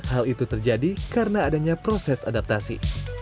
hal itu terjadi karena adanya proses adaptasi